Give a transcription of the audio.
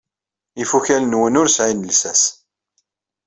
Ifukal-nwen ur sɛin llsas.